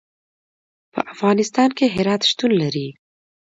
په افغانستان کې هرات شتون لري.